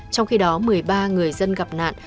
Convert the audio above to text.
trong khi đó một mươi ba người dân gặp nạn